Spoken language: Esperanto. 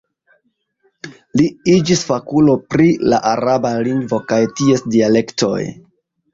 Li iĝis fakulo pri la araba lingvo kaj ties dialektoj.